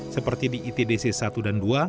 seperti di itdc satu dan dua